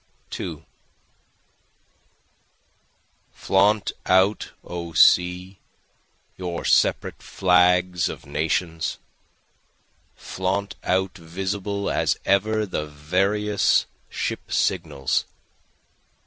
2 Flaunt out O sea your separate flags of nations! Flaunt out visible as ever the various ship signals!